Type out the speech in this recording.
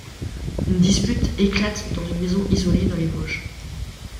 Une dispute éclate dans une maison isolée dans les Vosges.